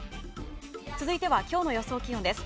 続いては今日の予想気温です。